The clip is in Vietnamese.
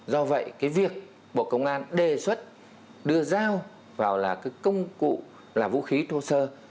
do vậy cái việc bộ công an đề xuất đưa dao vào là cái công cụ là vũ khí thô sơ